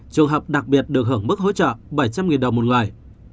trường hợp đặc biệt được hưởng mức hỗ trợ bảy trăm linh đồng một người